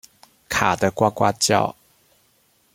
卡得呱呱叫